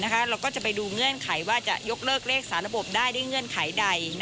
เราก็จะไปดูเงื่อนไขว่าจะยกเลิกเลขสารระบบได้ด้วยเงื่อนไขใด